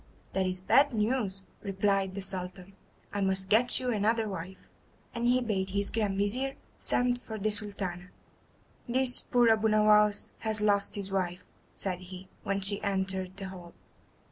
"That is bad news," replied the Sultan; "I must get you another wife." And he bade his Grand Vizir send for the Sultana. "This poor Abu Nowas has lost his wife," said he, when she entered the hall.